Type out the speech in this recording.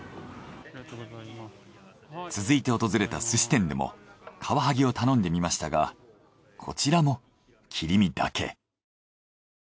続いて訪れた寿司店でもカワハギを頼んでみましたがこちらも切り身だけ。